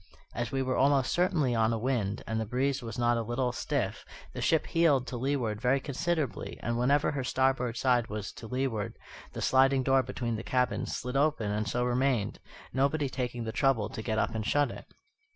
As we were almost constantly on a wind, and the breeze was not a little stiff, the ship heeled to leeward very considerably; and whenever her starboard side was to leeward the sliding door between the cabins slid open and so remained, nobody taking the trouble to get up and shut it.